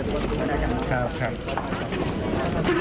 สั่งสำคัญ